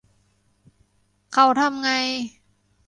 เขาทำไง